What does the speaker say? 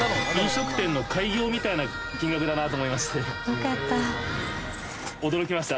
よかった。